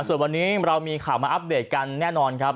ส่วนวันนี้เรามีข่าวมาอัปเดตกันแน่นอนครับ